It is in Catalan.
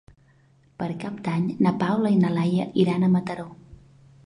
Per Cap d'Any na Paula i na Laia iran a Mataró.